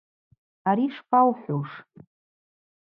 Ари шпаухӏвуш?